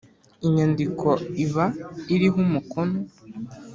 Inyandiko iba iriho umukono.